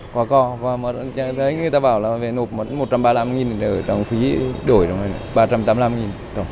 hai trăm năm mươi có co và người ta bảo là về nộp một trăm ba mươi năm thì đổi rồi ba trăm tám mươi năm